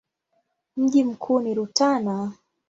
Mji mkuu ni Rutana.